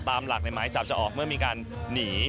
ตามหลักในหมายจับจะออกเมื่อมีการหนี